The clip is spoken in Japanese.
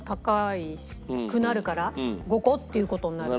５個っていう事になると。